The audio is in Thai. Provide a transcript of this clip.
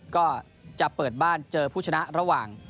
ก็จะเปิดบ้านเจอผู้ชนะระหว่าง